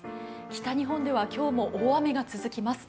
北日本では今日も大雨が続きます。